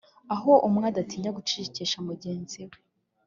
aho umwe adatinya gucecekesha mugenzi we